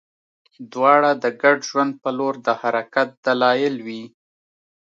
دواړه د ګډ ژوند په لور د حرکت دلایل وي.